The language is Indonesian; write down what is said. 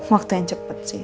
waktu yang cepet sih